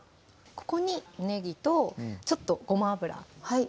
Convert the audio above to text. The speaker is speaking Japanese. ここにねぎとちょっとごま油はい